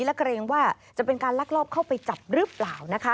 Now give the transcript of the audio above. และเกรงว่าจะเป็นการลักลอบเข้าไปจับหรือเปล่านะคะ